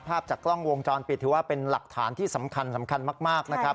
ภาพจากกล้องวงจรปิดถือว่าเป็นหลักฐานที่สำคัญมากนะครับ